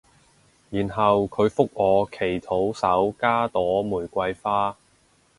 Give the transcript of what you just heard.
然後佢覆我祈禱手加朵玫瑰花